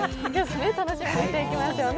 楽しみにしていきましょう。